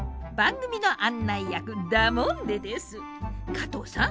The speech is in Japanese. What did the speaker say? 加藤さん